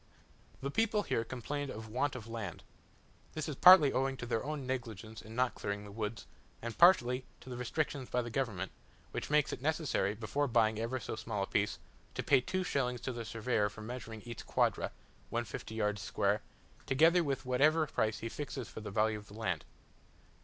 The people here complained of want of land. This is partly owing to their own negligence in not clearing the woods, and partly to restrictions by the government, which makes it necessary, before buying ever so small a piece, to pay two shillings to the surveyor for measuring each quadra (150 yards square), together with whatever price he fixes for the value of the land.